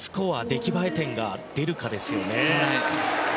出来栄え点が出るかですよね。